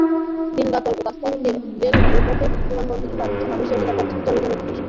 দিনরাত রাস্তায়, রেল, নৌপথে, বিমানবন্দরে দাঁড়িয়ে মানুষের নিরাপদ চলাচল নিশ্চিত করেছে তারা।